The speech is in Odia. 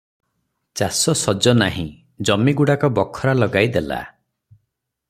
ଚାଷ ସଜ ନାହିଁ, ଜମିଗୁଡାକ ବଖରା ଲଗାଇ ଦେଲା ।